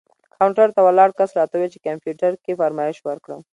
کاونټر ته ولاړ کس راته وویل چې کمپیوټر کې فرمایش ورکړم.